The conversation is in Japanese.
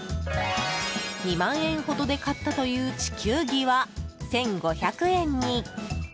２万円ほどで買ったという地球儀は１５００円に。